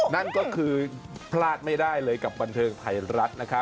นั่นก็คือพลาดไม่ได้เลยกับบรรเทิร์ศ์ไทยรัฐ